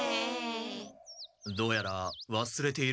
どうやらわすれているようだぞ。